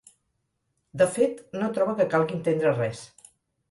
De fet, no troba que calgui entendre res.